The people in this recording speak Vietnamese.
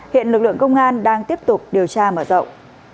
hiện lực lượng công an đang tiếp tục điều tra mở rộng